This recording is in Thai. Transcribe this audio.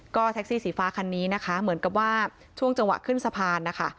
ก็แท็กซี่สีฟ้าคันนี้นะคะเหมือนกับว่าช่วงจังหวะขึ้นสะพานนะคะ